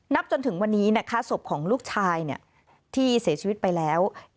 จนถึงวันนี้นะคะศพของลูกชายที่เสียชีวิตไปแล้ว